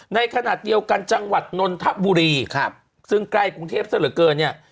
ในขณะเดียวกันจังหวัดนนทบุรีซึ่งใกล้กรุงเทพศรเกิร์นเนี่ย